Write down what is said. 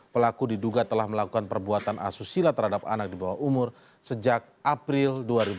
pelaku diduga telah melakukan perbuatan asusila terhadap anak di bawah umur sejak april dua ribu dua puluh